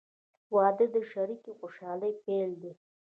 • واده د شریکې خوشحالۍ پیل دی.